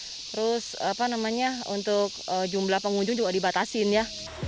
terus apa namanya untuk jumlah pengunjung juga dibatasin ya